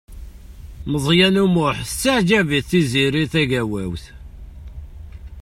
Meẓyan U Muḥ tettaɛǧab-it Tiziri Tagawawt.